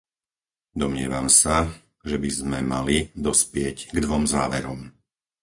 Domnievam sa, že by sme mali dospieť k dvom záverom.